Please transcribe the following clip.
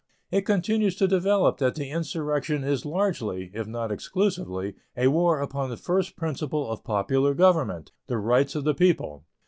It continues to develop that the insurrection is largely, if not exclusively, a war upon the first principle of popular government the rights of the people.